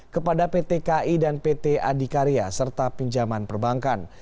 kepada pt ki dan pt adikarya serta pinjaman perbankan